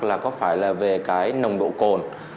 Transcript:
là có phải là về cái nồng độ cồn